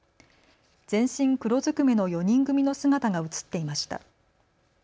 全身黒ずくめの４人組の姿が写っていました。